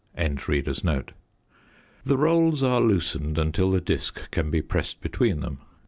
The rolls are loosened until the disc can be pressed between them.